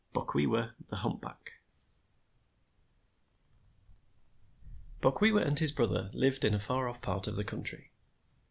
BOKWEWA, THE HUMPBACK |BOKWEWA and his brother lived in a far off part of the country.